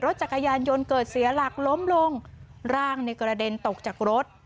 รถจักรยานยนต์เกิดเสียหลักล้มลงร่างในกระเด็นตกจากรถ